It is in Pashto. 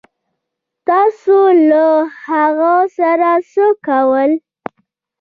تاسو له هغه سره څه کول